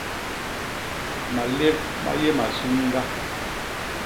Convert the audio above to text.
Malép ma yé masunga.